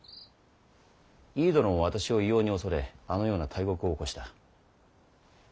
井伊殿も私を異様に恐れあのような大獄を起こした。